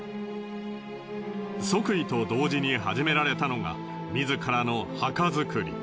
即位と同時に始められたのが自らの墓造り。